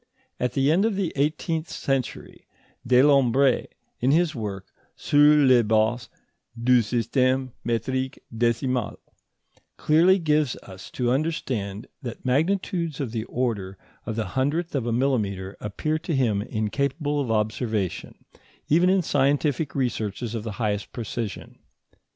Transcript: At the end of the eighteenth century, Delambre, in his work Sur la Base du Système métrique décimal, clearly gives us to understand that magnitudes of the order of the hundredth of a millimetre appear to him incapable of observation, even in scientific researches of the highest precision.